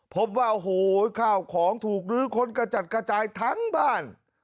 พบว่าโอ้โหข้าวของถูกลื้อค้นกระจัดกระจายทั้งบ้าน